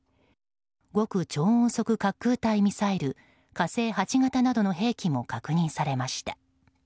極超音速滑空体ミサイル「火星８」型などの兵器も確認されました。